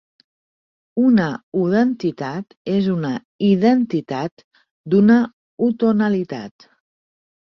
"Una 'udentitat' és una identitat d'una 'utonalitat'."